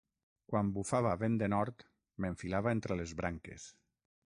Quan bufava vent de nord, m'enfilava entre les branques.